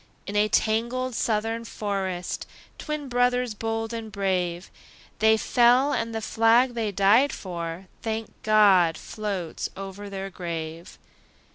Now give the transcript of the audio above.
In a tangled Southern forest, Twin brothers bold and brave, They fell; and the flag they died for, Thank God! floats over their grave.